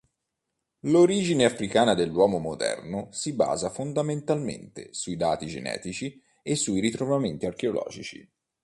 L'origine africana dell'uomo moderno si basa fondamentalmente sui dati genetici e sui ritrovamenti archeologici.